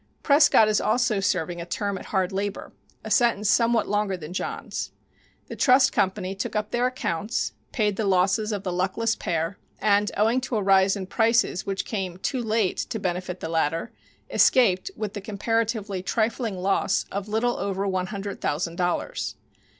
Prescott is also serving a term at hard labor a sentence somewhat longer than John's. The trust company took up their accounts, paid the losses of the luckless pair, and, owing to a rise in prices which came too late to benefit the latter, escaped with the comparatively trifling loss of a little over one hundred thousand dollars.